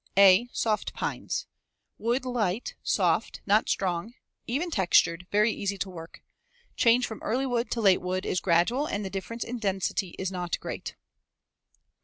(a) Soft Pines. Wood light, soft, not strong, even textured, very easy to work. Change from early wood to late wood is gradual and the difference in density is not great.